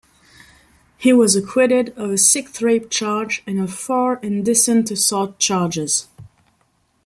He was acquitted of a sixth rape charge and of four indecent assault charges.